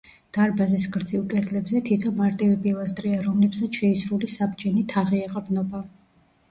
დარბაზის გრძივ კედლებზე თითო მარტივი პილასტრია, რომლებსაც შეისრული საბჯენი თაღი ეყრდნობა.